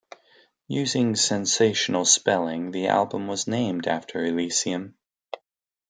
Using sensational spelling, the album was named after Elysium.